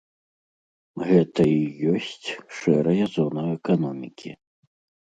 Гэта і ёсць шэрая зона эканомікі.